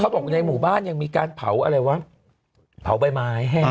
บอกในหมู่บ้านยังมีการเผาอะไรวะเผาใบไม้แห้ง